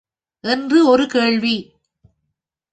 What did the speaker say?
என்று ஒரு கேள்வி.